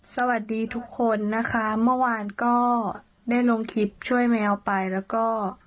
สวัสดีทุกคนนะคะเมื่อวานก็ได้ลงคลิปช่วยแมวไปแล้วก็